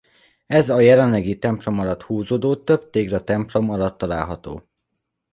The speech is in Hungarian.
Ez a jelenlegi templom alatt húzódó több tégla templom alatt található.